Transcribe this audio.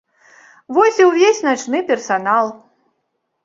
Вось і ўвесь начны персанал.